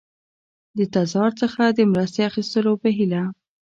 د تزار څخه د مرستې اخیستلو په هیله.